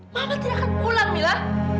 mama tidak akan pulang mila